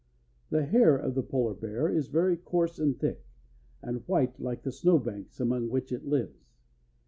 The hair of the polar bear is very coarse and thick, and white like the snow banks among which it lives.